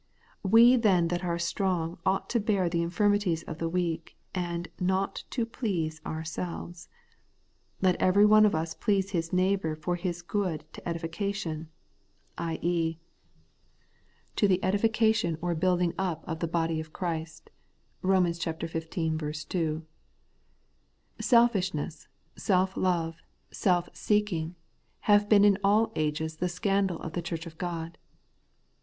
We then that are strong ought to bear the infirmities of the weak, and NOT TO please ourselves ; let every one of us please his neighbour for his good to edification,' i,e, to the edification or building up of the body of 200 Hie Everlasting RigMeousness. Christ (Rom. xv. 2). Selfishness, self love, self seeking, have been in aU ages the scandal of the church of God.